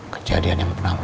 kejadian yang pernah berlaku